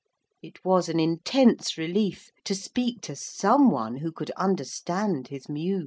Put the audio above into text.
It was an intense relief to speak to some one who could understand his mews.